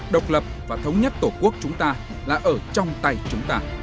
độc lập và thống nhất tổ quốc chúng ta là ở trong tay chúng ta